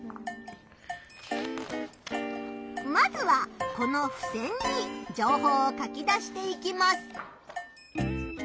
まずはこのふせんに情報を書き出していきます。